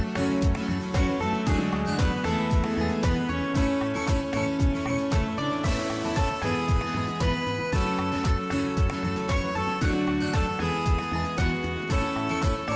เพลง